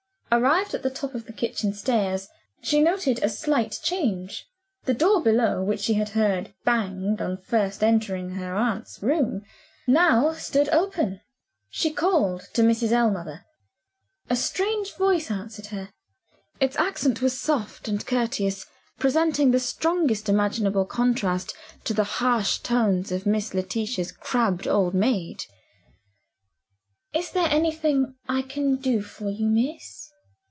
Arrived at the top of the kitchen stairs, she noted a slight change. The door below, which she had heard banged on first entering her aunt's room, now stood open. She called to Mrs. Ellmother. A strange voice answered her. Its accent was soft and courteous; presenting the strongest imaginable contrast to the harsh tones of Miss Letitia's crabbed old maid. "Is there anything I can do for you, miss?"